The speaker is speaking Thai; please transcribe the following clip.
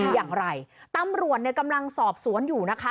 อย่างไรตำรวจเนี่ยกำลังสอบสวนอยู่นะคะ